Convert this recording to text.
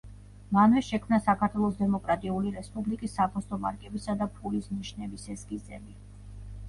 მანვე შექმნა საქართველოს დემოკრატიული რესპუბლიკის საფოსტო მარკებისა და ფულის ნიშნების ესკიზები.